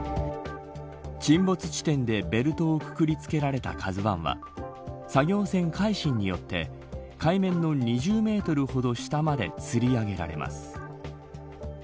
沈没時点でベルトをくくりつけられたＫＡＺＵ１は作業船、海進によって海面の２０メートルほど下までつり上げられます。